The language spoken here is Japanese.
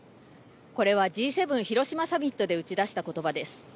これはＧ７広島サミットで打ち出したことばです。